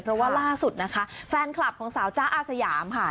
เพราะว่าล่าสุดนะคะแฟนคลับของสาวจ๊ะอาสยามค่ะ